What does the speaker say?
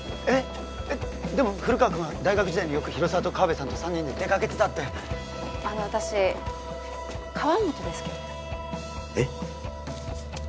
でも古川君は大学時代によく広沢とカワベさんと三人で出かけてたってあの私川本ですけどえッ？